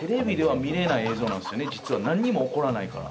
実はなんにも起こらないから。